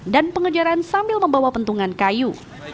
dan pengejaran sambil membawa pentungan kayu